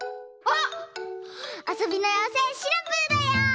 あそびのようせいシナプーだよ！